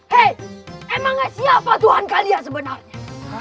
hei emangnya siapa tuhan kalian sebenarnya